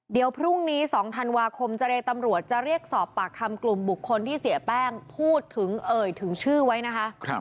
เดี๋ยวพรุ่งนี้๒ธันวาคมเจรตำรวจจะเรียกสอบปากคำกลุ่มบุคคลที่เสียแป้งพูดถึงเอ่ยถึงชื่อไว้นะคะ